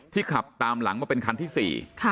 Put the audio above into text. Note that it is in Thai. ขับตามหลังมาเป็นคันที่๔